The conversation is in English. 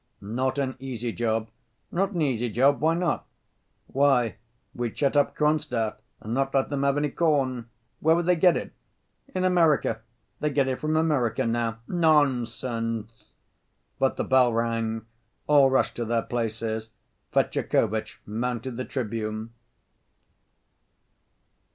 "Not an easy job." "Not an easy job? Why not?" "Why, we'd shut up Kronstadt and not let them have any corn. Where would they get it?" "In America. They get it from America now." "Nonsense!" But the bell rang, all rushed to their places. Fetyukovitch mounted the tribune.